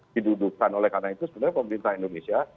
didudukan oleh karena itu sebenarnya pemerintah indonesia